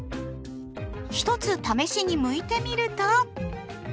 一つ試しにむいてみると。